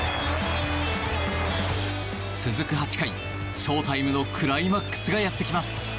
続く８回、ショータイムのクライマックスがやってきます。